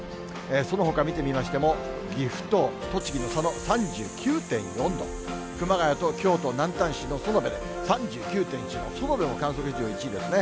そのほか見てみましても、岐阜と栃木の佐野、３９．４度、熊谷と京都・南丹市の園部で３９．１度、園部も観測史上１位ですね。